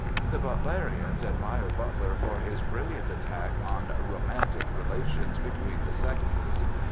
The Butlerians admire Butler for his brilliant attack on "romantic" relations between the sexes.